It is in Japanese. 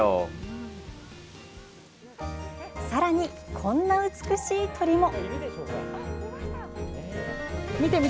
さらに、こんな美しい鳥も。